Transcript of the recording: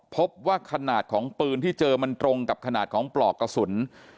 พบว่าขนาดของปืนที่เจอมันตรงกับขนาดของปลอกกระสุน